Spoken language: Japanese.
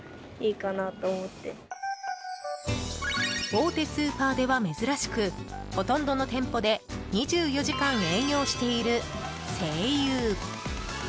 大手スーパーでは珍しくほとんどの店舗で２４時間営業している西友。